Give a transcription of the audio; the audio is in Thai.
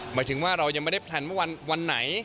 หมายถึงว่าเรายังไม่ได้แพลนเมื่อวันไหน